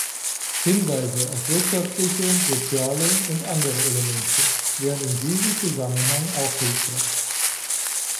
Hinweise auf wirtschaftliche, soziale und andere Elemente wären in diesem Zusammenhang auch hilfreich.